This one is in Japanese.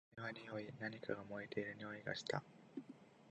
はじめはにおい。何かが燃えているにおいがした。